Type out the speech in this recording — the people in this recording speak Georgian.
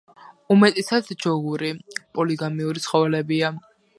უმეტესად ჯოგური, პოლიგამიური ცხოველებია.